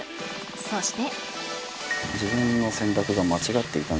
そして。